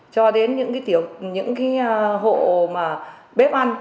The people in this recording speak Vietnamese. cho đến những hộ bếp ăn